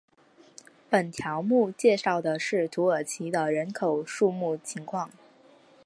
本条目介绍的是土耳其的人口数目情况。